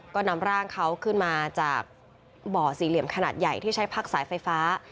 ก็นำร่างเขาขึ้นมาจากบ่อสี่เหลี่ยมขนาดใหญ่ที่ใช้พักสายไฟฟ้า